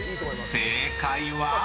［正解は⁉］